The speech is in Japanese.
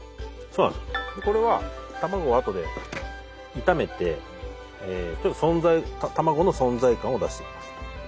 これは卵をあとで炒めてちょっと存在卵の存在感を出していきます。